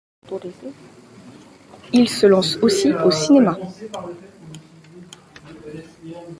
Il se lance aussi au cinéma.